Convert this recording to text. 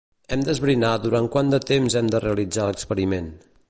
Hem d'esbrinar durant quant de temps hem de realitzar l'experiment.